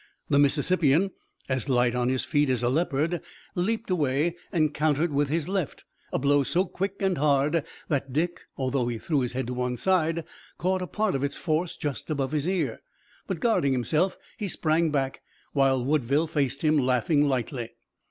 The Mississippian, as light on his feet as a leopard, leaped away and countered with his left, a blow so quick and hard that Dick, although he threw his head to one side, caught a part of its force just above his ear. But, guarding himself, he sprang back, while Woodville faced him, laughing lightly.